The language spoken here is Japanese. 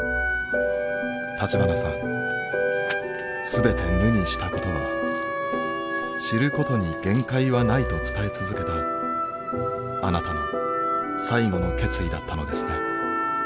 全て無にしたことは知ることに限界はないと伝え続けたあなたの最後の決意だったのですね。